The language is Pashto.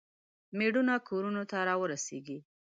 میړونه کورونو ته راورسیږي.